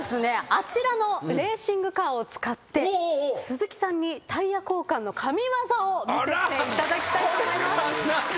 あちらのレーシングカーを使って鈴木さんにタイヤ交換の神業を見せていただきたいと思います。